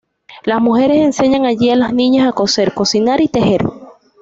Las mujeres enseñan allí a las niñas a coser, cocinar y tejer.